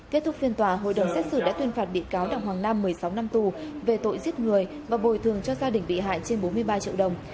kết thúc phiên tòa hội đồng xét xử đã tuyên phạt bị cáo đặng hoàng nam một mươi sáu năm tù về tội giết người và bồi thường cho gia đình bị hại trên bốn mươi ba triệu đồng